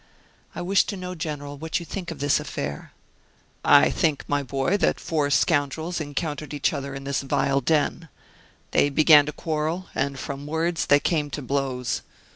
"I wish to know, General, what you think of this affair." "I think, my boy, that four scoundrels encountered each other in this vile den. They began to quarrel; and from words they came to blows.